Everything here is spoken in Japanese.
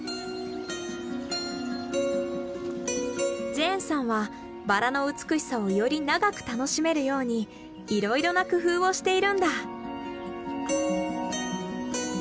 ジェーンさんはバラの美しさをより長く楽しめるようにいろいろな工夫をしているんだ。